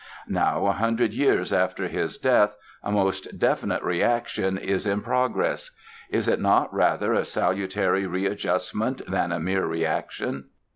Now, a hundred years after his death, a most definite reaction is in progress. Is it not, rather, a salutary readjustment than a mere reaction?